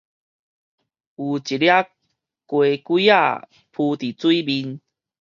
有一粒雞胿仔浮佇水面